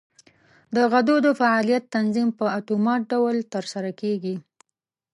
د غدو د فعالیت تنظیم په اتومات ډول تر سره کېږي.